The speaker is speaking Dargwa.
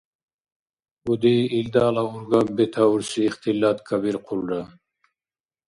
Уди илдала ургаб бетаурси ихтилат кабирхъулра.